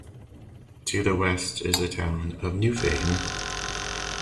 To the west is the Town of Newfane.